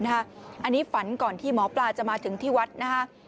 อันนี้ฝันก่อนที่หมอปลาจะมาถึงที่วัดนะคะ